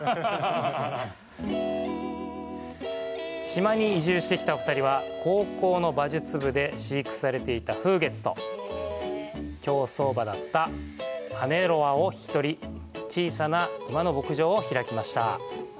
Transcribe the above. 島に移住してきたお二人は、高校の馬術部で飼育されていた風月と競走馬だったアネロワを引き取り、小さな馬の牧場を開きました。